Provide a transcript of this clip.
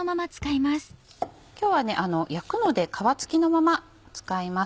今日は焼くので皮付きのまま使います。